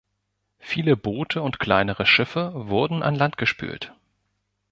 Viele Boote und kleinere Schiffe wurden an Land gespült.